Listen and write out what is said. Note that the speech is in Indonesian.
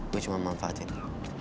gua cuma manfaatin dia